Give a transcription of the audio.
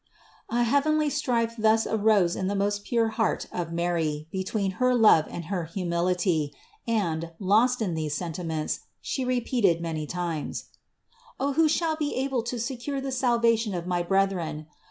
A heavenly strife thus arose in the most pure heart of Mary between her love and her humility, and, lost in these sentiments, She repeated many times: "Oh who shall be able to secure the salvation of my brethren